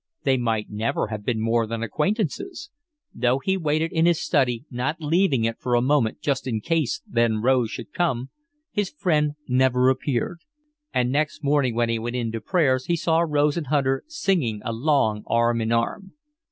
They might never have been more than acquaintances. Though he waited in his study, not leaving it for a moment in case just then Rose should come, his friend never appeared; and next morning when he went in to prayers he saw Rose and Hunter singing along arm in arm.